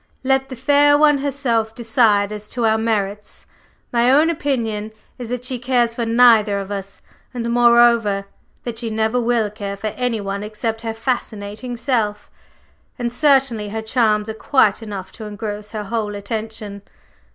Let the fair one herself decide as to our merits. My own opinion is that she cares for neither of us, and, moreover, that she never will care for any one except her fascinating self. And certainly her charms are quite enough to engross her whole attention.